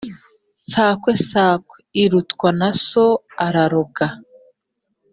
Sakwe sakwe irutwa na so araroga.